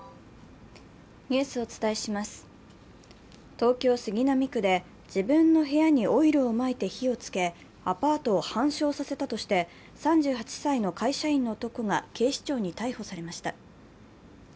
東京・杉並区で自分の部屋にオイルをまいて火をつけ、アパートを半焼させたとして３８歳の会社員の男が警視庁に逮捕されました。